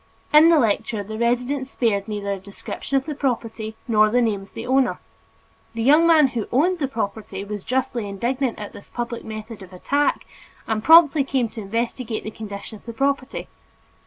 In the lecture the resident spared neither a description of the property nor the name of the owner. The young man who owned the property was justly indignant at this public method of attack and promptly came to investigate the condition of the property.